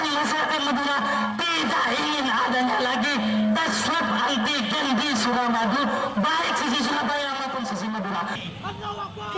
ya jangan lusakan madura tidak ingin adanya lagi tes swab anti genggi suramadu baik sisi surabaya maupun sisi madura